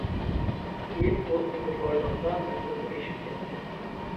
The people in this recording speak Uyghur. كېيىن ئۇ ئۈمىدۋارلىقتا مەندىنمۇ ئېشىپ كەتتى.